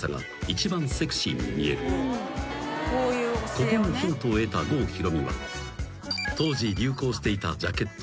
［ここにヒントを得た郷ひろみは当時流行していたジャケット］